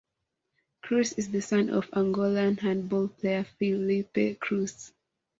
Cruz is the son of the Angolan handball player Filipe Cruz.